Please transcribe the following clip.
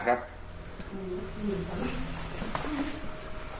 ยัง